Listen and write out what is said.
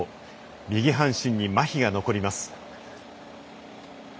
右半身にまひが残ります。